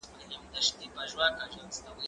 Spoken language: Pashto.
ايا ته ږغ اورې.